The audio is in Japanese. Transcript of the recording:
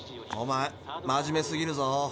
おまえまじめすぎるぞ。